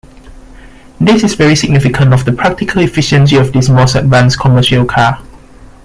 This is very significant of the practical efficiency of this most advanced commercial car.